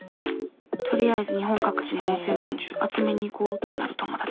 とりあえず日本各地の温泉まんじゅう集めに行こうってなる友達。